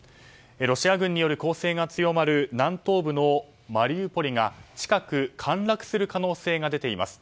ロシア軍による攻勢が強まる南東部のマリウポリが近く陥落する可能性が出ています。